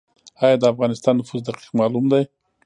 آیا د افغانستان نفوس دقیق معلوم دی؟